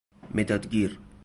مداد گیر